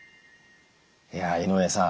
いや井上さん